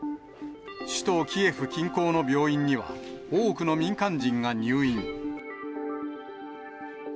首都キエフ近郊の病院には、多くの民間人が入院。